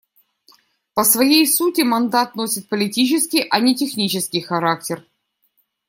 По своей сути мандат носит политический, а не технический характер.